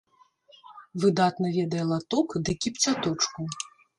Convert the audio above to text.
Выдатна ведае латок ды кіпцяточку.